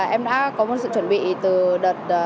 em đã có một sự chuẩn bị từ đợt